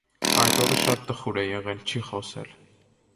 Այդ օրը շատ տխուր է եղել, չի խոսել։